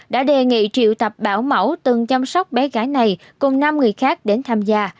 đã đề nghị triệu tập bảo mẫu từng chăm sóc bé gái này cùng năm người khác đến tham gia